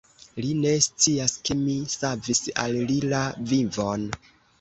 Li ne scias, ke mi savis al li la vivon!